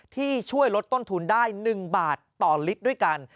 ที่ช่วยลดต้นทุนได้๑บาทต่อลิตรด้วยกัน